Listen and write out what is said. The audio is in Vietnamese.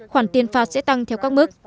khoản tiền phạt sẽ tăng theo các mức